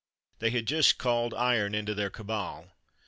They had just called iron into their cabal.